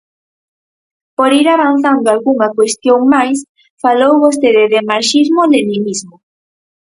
Por ir avanzando algunha cuestión máis, falou vostede de marxismo-leninismo.